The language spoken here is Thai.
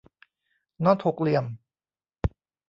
น็อตหกเหลี่ยม